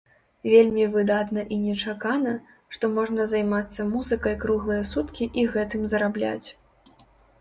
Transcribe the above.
Вельмі выдатна і нечакана, што можна займацца музыкай круглыя суткі і гэтым зарабляць.